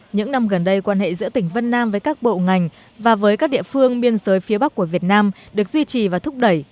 những năm gần đây quan hệ giữa tỉnh vân nam với các bộ ngành và với các địa phương biên giới phía bắc của việt nam được duy trì và thúc đẩy